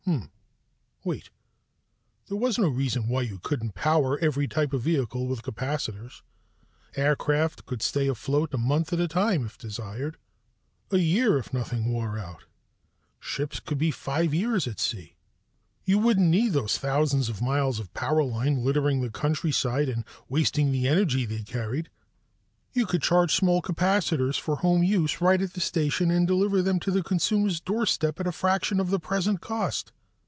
Hm ... wait. There was no reason why you couldn't power every type of vehicle with capacitors. Aircraft could stay aloft a month at a time if desired a year if nothing wore out; ships could be five years at sea. You wouldn't need those thousands of miles of power line littering the countryside and wasting the energy they carried; you could charge small capacitors for home use right at the station and deliver them to the consumer's doorstep at a fraction of the present cost.